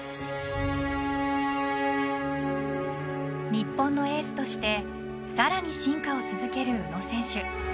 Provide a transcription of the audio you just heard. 日本のエースとしてさらに進化を続ける宇野選手。